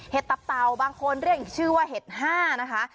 เห็ดตับเต่าบางคนเรียกอีกชื่อว่าเห็ดห้า